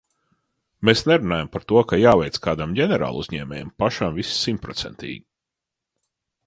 Mēs nerunājam par to, ka jāveic kādam ģenerāluzņēmējam pašam viss simtprocentīgi.